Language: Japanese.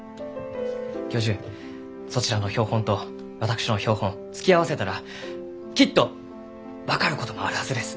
教授そちらの標本と私の標本突き合わせたらきっと分かることもあるはずです。